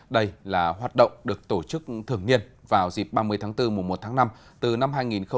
đây là hoạt động được tổ chức thường niên vào dịp ba mươi tháng bốn mùa một tháng năm từ năm hai nghìn hai mươi bốn